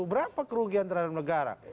berapa kerugian terhadap negara